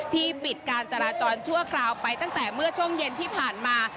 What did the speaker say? ปิดการจราจรชั่วคราวไปตั้งแต่เมื่อช่วงเย็นที่ผ่านมา